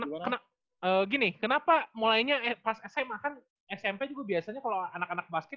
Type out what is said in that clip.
smp juga biasanya kalau anak anak basket